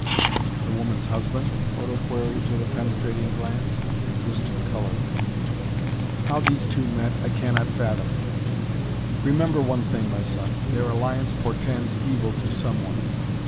"The woman's husband?" Odo queried with a penetrating glance. Tristan colored. "How these two met I cannot fathom." "Remember one thing, my son, their alliance portends evil to some one.